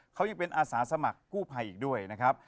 เขายังเป็นอาสาสมัครกู้ภัยอีกด้วยนะครับ